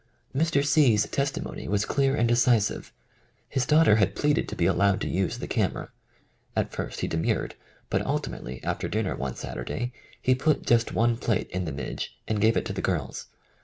Mr. C. 's testimony was clear and decisive. His daughter had jDleaded to be allowed to use the camera. At first he demurred, but ultimately, after dinner one Saturday, he put just one plate in the Midg and gave it to the girls.